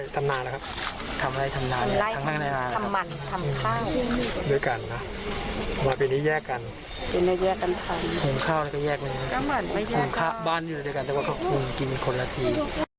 โกงข้าวบ้านด้วยกันแต่ของฆูกินคนละที